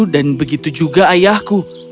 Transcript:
dan begitu juga ayahku